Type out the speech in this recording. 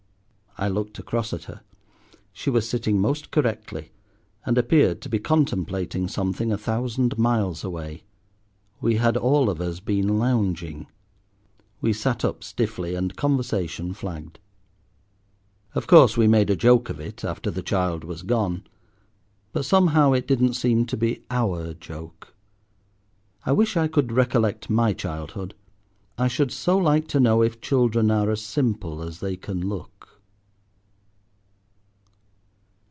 I looked across at her; she was sitting most correctly, and appeared to be contemplating something a thousand miles away. We had all of us been lounging! We sat up stiffly, and conversation flagged. Of course we made a joke of it after the child was gone. But somehow it didn't seem to be our joke. I wish I could recollect my childhood. I should so like to know if children are as simple as they can look.